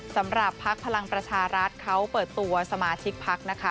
สำหรับภักดิ์พลังประชารัฐเขาเปิดตัวสมาธิกภักดิ์นะคะ